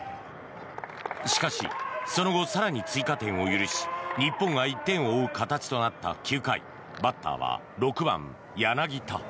しかし、その後更に追加点を許し日本が１点を追う形となった９回バッターは６番、柳田。